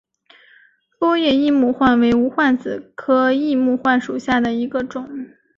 波叶异木患为无患子科异木患属下的一个种。